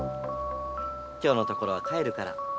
今日のところは帰るから。